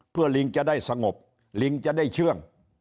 เพื่อลิงจะได้สงบลิงจะได้เชื่อง